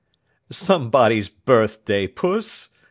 'Somebody's birth day, Puss!